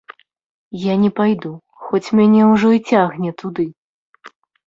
Я не пайду, хоць мяне ўжо і цягне туды.